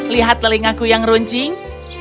lihat telingaku yang runcing